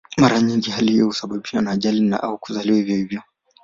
Mara nyingi hali hiyo husababishwa na ajali au kuzaliwa hivyo hivyo.